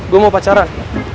gue mau pacaran